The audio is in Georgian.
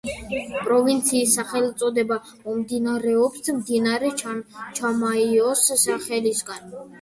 პროვინციის სახელწოდება მომდინარეობს მდინარე ჩანჩამაიოს სახელისგან.